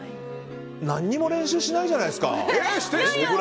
何も練習しないじゃないですか。